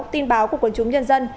tin báo của quân chúng nhân dân